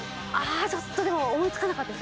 ちょっと思い付かなかったです。